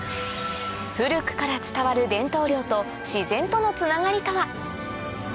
古くから伝わる伝統漁と自然とのつながりとは？